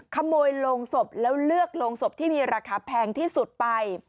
โรงศพแล้วเลือกโรงศพที่มีราคาแพงที่สุดไป